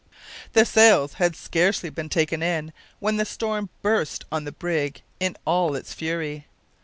The sails had scarcely been taken in when the storm burst on the brig in all its fury.